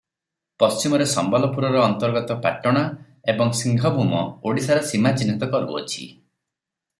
ପଶ୍ଚିମରେ ସମ୍ବଲପୁରର ଅନ୍ତର୍ଗତ ପାଟଣା ଏବଂ ସିଂହଭୂମ ଓଡ଼ିଶାର ସୀମା ଚିହ୍ନିତ କରୁଅଛି ।